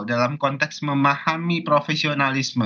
dalam konteks memahami profesionalisme